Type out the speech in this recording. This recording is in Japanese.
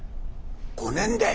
「５年で？